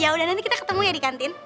yaudah nanti kita ketemu ya di kantin